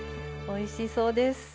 おいしそうです。